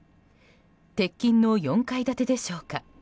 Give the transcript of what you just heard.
鉄筋の４階建てでしょうか。